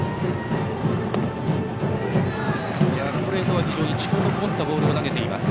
ストレートは非常に力のこもったボールを投げています。